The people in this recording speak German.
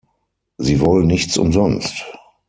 Sie wollen nichts umsonst.